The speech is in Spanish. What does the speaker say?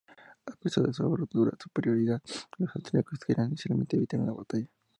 A pesar de su abrumadora superioridad, los austriacos querían inicialmente evitar una batalla.